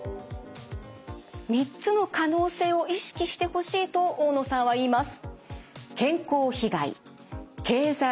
３つの可能性を意識してほしいと大野さんは言います。